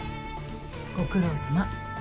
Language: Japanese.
ご苦労さま。